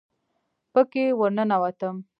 پکښې ورننوتم.